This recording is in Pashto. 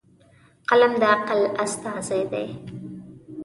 قلم د عقل استازی دی.